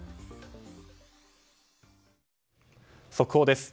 速報です。